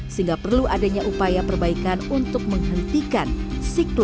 sehingga perlu adanya upaya perbaikan untuk menghentikan siklus